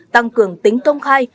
tăng cường tính công khai